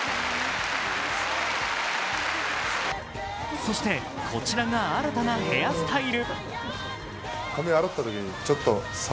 そして、こちらが新たなヘアスタイル。